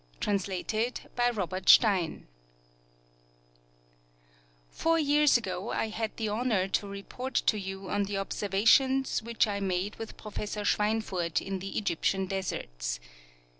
Translated by Robert Stein) Four years ago I had the honor to report to you on the observations which I made with Professor Schweinfurth in the Egyptian deserts.